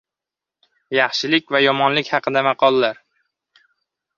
Yaxshilik va yomonlik haqida maqollar.